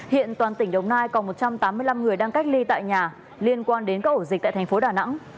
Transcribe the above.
hiện toàn tỉnh đồng nai còn một trăm tám mươi năm người đang cách ly tại nhà liên quan đến các ổ dịch tại thành phố đà nẵng